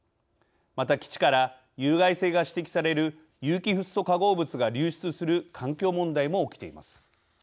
また基地から有害性が指摘される有機フッ素化合物が流出する環境問題も起きています。